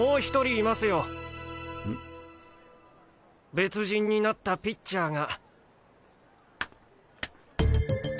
別人になったピッチャーが。